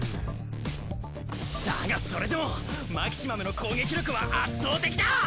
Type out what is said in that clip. だがそれでもマキシマムの攻撃力は圧倒的だ！